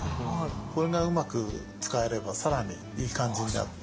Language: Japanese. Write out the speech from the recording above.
これがうまく使えれば更にいい感じになる。